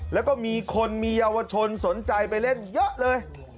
แล้วก็มีคนมีเยาวชนสนใจไปเล่นเยอะเลย